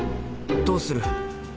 どうする？